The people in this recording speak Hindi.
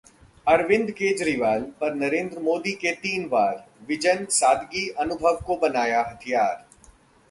अरविंद केजरीवाल पर नरेंद्र मोदी के तीन वार, विजन-सादगी-अनुभव को बनाया हथियार